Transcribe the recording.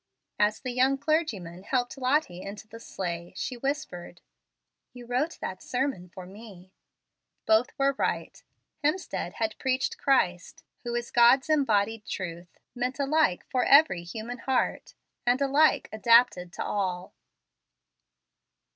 As the young clergyman helped Lottie into the sleigh, she whispered, "You wrote that sermon for me." Both were right. Hemstead had preached Christ, who is God's embodied truth, meant alike for every human hearty and alike adapted to all.